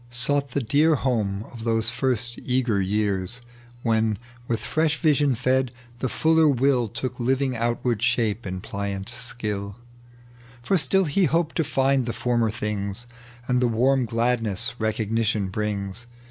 Sought the dear home of those first eager years, .tec bv Google 30 THE LEQEHD OF JUBAL. When, withfreeli riaion fed, the fuller will Took living outward shape in pliant skUI ; For still be hoped to find the former things, And the warm gladnesa recognition brings.